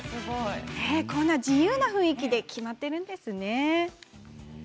こんな自由な雰囲気で決まっているんですね。